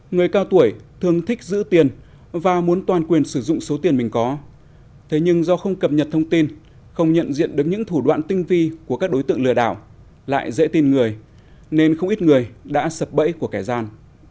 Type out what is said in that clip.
người cao tuổi thường thích giữ tiền và muốn toàn quyền sử dụng số tiền mình có thế nhưng do không cập nhật thông tin không nhận diện được những thủ đoạn tinh vi của các đối tượng lừa đảo lại dễ tin người nên không ít người đã sập bẫy của kẻ gian